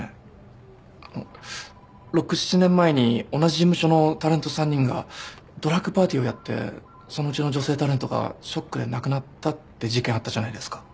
あの６７年前に同じ事務所のタレント３人がドラッグパーティーをやってそのうちの女性タレントがショックで亡くなったって事件あったじゃないですか？